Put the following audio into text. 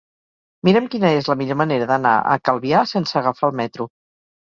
Mira'm quina és la millor manera d'anar a Calvià sense agafar el metro.